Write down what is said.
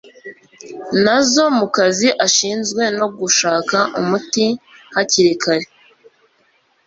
nazo mu kazi ashinzwe no gushaka umuti hakiri kare